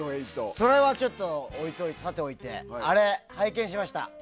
それはちょっと、さておいてあれ、拝見しました。